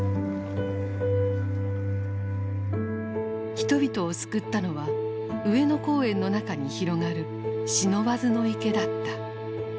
人々を救ったのは上野公園の中に広がる不忍池だった。